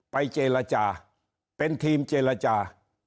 เจรจาเป็นทีมเจรจา